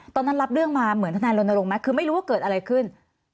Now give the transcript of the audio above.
ตอนนั้นรับเรื่องมาเหมือนทนายโรนโลงมะไม่รู้ว่าเกิดอะไรขึ้น